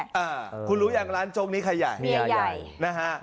อ่าคุณรู้อย่างร้านโจ๊กนี้ใครใหญ่เนี่ยใหญ่นะฮะ